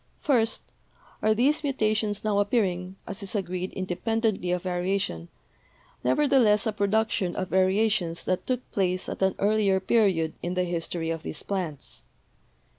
236 BIOLOGY First, are these mutations now appearing, as is agreed, in dependently of variation, nevertheless a production of va riations that took place at an earlier period in the history of these plants?